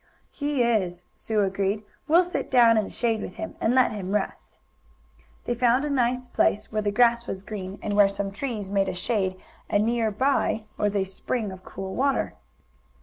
"He is," Sue agreed. "We'll sit down in the shade with him, and let him rest." They found a nice place, where the grass was green, and where some trees made a shade, and near by was a spring of cool water.